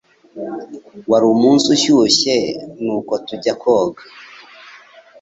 Wari umunsi ushyushye, nuko tujya koga.